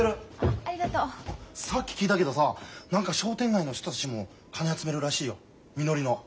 さっき聞いたけどさ何か商店街の人たちも金集めるらしいよみのりの。